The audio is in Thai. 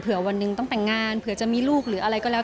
วันหนึ่งต้องแต่งงานเผื่อจะมีลูกหรืออะไรก็แล้ว